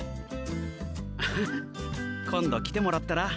アハハ今度来てもらったら？